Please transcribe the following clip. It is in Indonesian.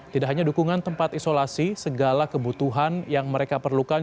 tidak hanya dukungan tempat isolasi segala kebutuhan yang mereka perlukan